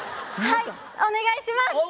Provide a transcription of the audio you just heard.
はいお願いします！